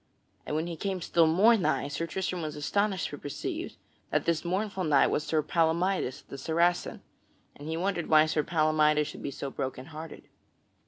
And when he came still more nigh, Sir Tristram was astonished to perceive that that mournful knight was Sir Palamydes the Saracen, and he wondered why Sir Palamydes should be so broken hearted.